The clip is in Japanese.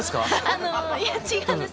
あのいや違うんです。